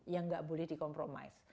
yang gak boleh di compromise